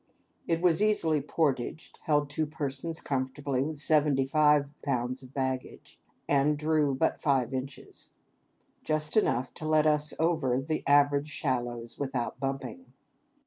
It was easily portaged, held two persons comfortably with seventy five pounds of baggage, and drew but five inches, just enough to let us over the average shallows without bumping.